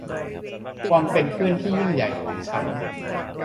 ความเป็นเพื่อนที่ยิ่งใหญ่ของฉัน